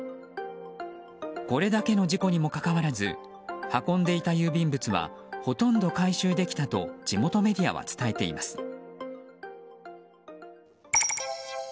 これだけの事故にもかかわらず運んでいた郵便物はほとんど回収できたと地元メディアは伝えています。